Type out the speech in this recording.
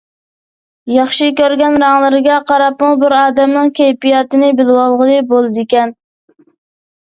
ياخشى كۆرگەن رەڭلىرىگە قاراپمۇ بىر ئادەمنىڭ كەيپىياتىنى بىلىۋالغىلى بولىدىكەن.